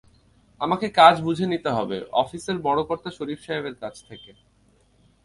আমাকে কাজ বুঝে নিতে হবে অফিসের বড়কর্তা শরিফ সাহেবের কাছ থেকে।